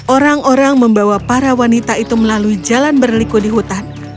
orang orang membawa para wanita itu melalui jalan berliku di hutan